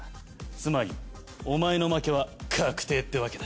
つまりお前の負けは確定ってわけだ。